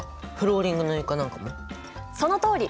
そのとおり！